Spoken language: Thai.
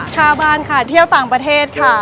ชาวบ้านค่ะเที่ยวต่างประเทศค่ะ